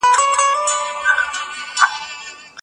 سم نیت شخړه نه خپروي.